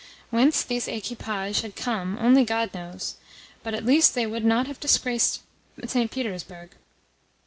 Whence these equipages had come God only knows, but at least they would not have disgraced St. Petersburg.